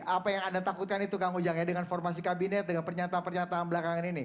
apa yang anda takutkan itu kang ujang ya dengan formasi kabinet dengan pernyataan pernyataan belakangan ini